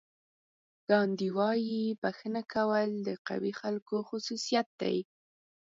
ګاندي وایي بښنه کول د قوي خلکو خصوصیت دی.